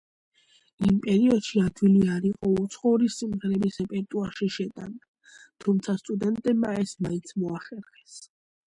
იმ პერიოდში ადვილი არ იყო უცხოური სიმღერების რეპერტუარში შეტანა, თუმცა, სტუდენტებმა ეს მაინც მოახერხეს.